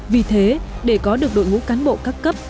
vì thế để có được đội ngũ cán bộ các cấp